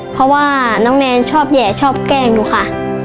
เพราะว่าน้องแนนชอบแห่ชอบแกล้งหนูค่ะ